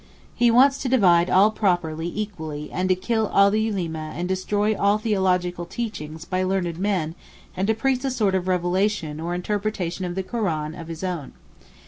He wants to divide all property equally and to kill all the Ulema and destroy all theological teaching by learned men and to preach a sort of revelation or interpretation of the Koran of his own.